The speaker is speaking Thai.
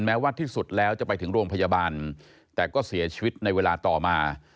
แม้ว่าที่สุดแล้วจะไปถึงโรงพยาบาลแต่ก็เสียชีวิตในเวลาต่อมา